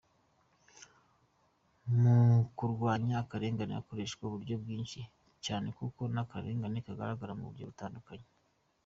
Mu kurwanya akarengane hakoreshwa uburyo bwinshi cyane kuko n’akarengane kagaragara mu buryo butandukanye.